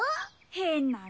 へんなの。